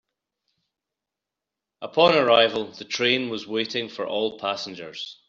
Upon arrival, the train was waiting for all passengers.